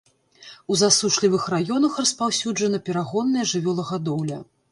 У засушлівых раёнах распаўсюджана перагонная жывёлагадоўля.